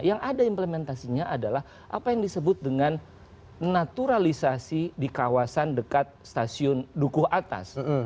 yang ada implementasinya adalah apa yang disebut dengan naturalisasi di kawasan dekat stasiun dukuh atas